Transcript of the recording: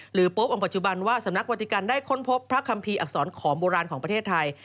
โป๊องค์ปัจจุบันว่าสำนักวัติกันได้ค้นพบพระคัมภีร์อักษรขอมโบราณของประเทศไทย